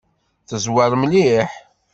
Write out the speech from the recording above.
Teẓwer mliḥ.